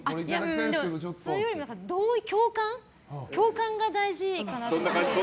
それよりも共感が大事かなと思って。